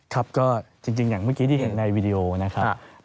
ครับก็จริงอย่างเมื่อกี้ที่เห็นในวีดีโอนะครับ